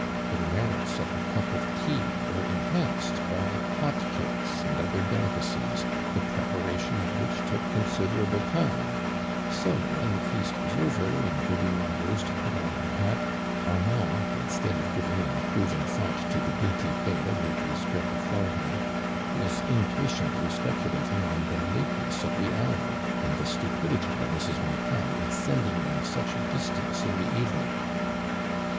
The merits of the cup of tea were enhanced by hot cakes and other delicacies, the preparation of which took considerable time, so when the feast was over, and Deli ma rose to put on her hat, Armand instead of giving an approving thought to the dainty fare lately spread before him, was impatiently speculating on the lateness of the hour, and the stupidity of Mrs. Martel in sending them such a distance in the evening.